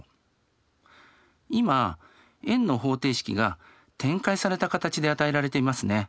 今円の方程式が展開された形で与えられていますね。